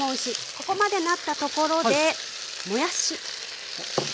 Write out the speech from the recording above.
ここまでなったところでもやし。